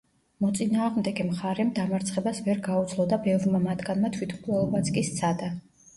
მოწინააღმდეგე მხარემ დამარცხებას ვერ გაუძლო და ბევრმა მათგანმა თვითმკვლელობაც კი სცადა.